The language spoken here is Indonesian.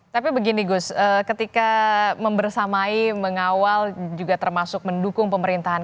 tapi begini gus ketika membersamai mengawal juga termasuk mendukung pemerintahan